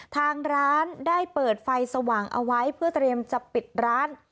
ทางร้านได้เปิดไฟสว่างเอาไว้เพื่อเตรียมจะปิดร้าน